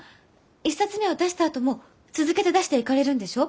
１冊目を出したあとも続けて出していかれるんでしょう？